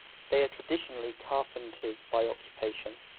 They are traditionally carpenters by occupation.